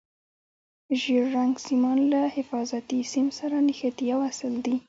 ژیړ رنګ سیمان له حفاظتي سیم سره نښتي یا وصل دي.